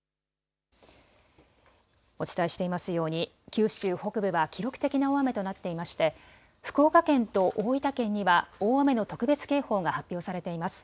お伝えしていますように九州北部は記録的な大雨となっていまして福岡県と大分県には大雨の特別警報が発表されています。